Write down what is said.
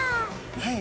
はい。